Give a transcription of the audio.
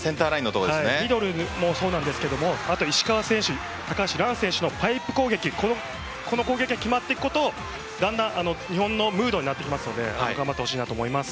ミドルもそうなんですがあと、石川選手高橋藍選手のパイプ攻撃この攻撃が決まっていくと日本のムードになっていくので頑張ってほしいなと思います。